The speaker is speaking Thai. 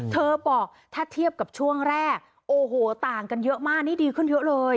เธอบอกถ้าเทียบกับช่วงแรกโอ้โหต่างกันเยอะมากนี่ดีขึ้นเยอะเลย